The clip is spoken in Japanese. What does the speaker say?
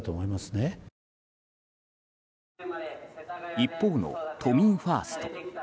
一方の都民ファースト。